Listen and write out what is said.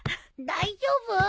大丈夫？